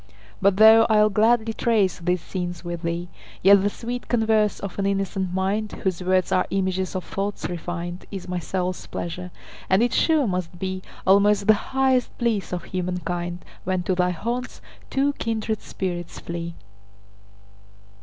But though I'll gladly trace these scenes with thee, Yet the sweet converse of an innocent mind, Whose words are images of thoughts refin'd, Is my soul's pleasure; and it sure must beAlmost the highest bliss of human kind, When to thy haunts two kindred spirits flee.